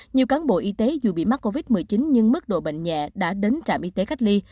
nhiều cán bộ y tế dù bị mắc covid một mươi chín nhưng mức độ bệnh nhẹ đã đến trạm y tế cách ly